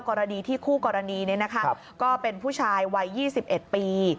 กรณีที่คู่กรณีก็เป็นผู้ชายวัย๒๑ปี